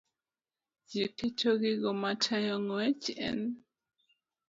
Ji keto gigo matayo ng'wech e n